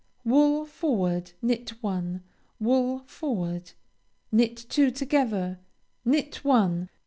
_) Wool forward. Knit one. Wool forward. Knit two together. Knit one.